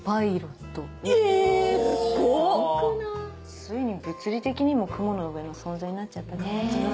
ついに物理的にも雲の上の存在になっちゃったね。